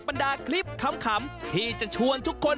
พร้อมคลิปน่าร้อย